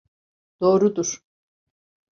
Doğrudur.